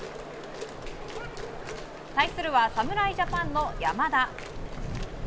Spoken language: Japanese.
対するは、侍ジャパンの山田。